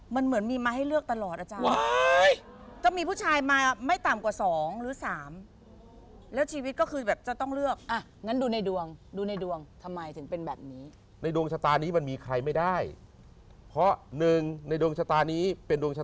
มันเหมือนมีมาให้เลือกตลอดอาจารย์